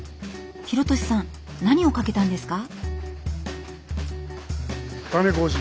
弘智さん何をかけたんですか？